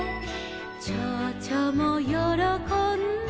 「ちょうちょもよろこんで」